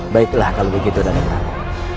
baiklah kalau begitu nana prabu